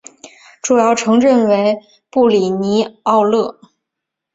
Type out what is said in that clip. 主要城镇为布里尼奥勒。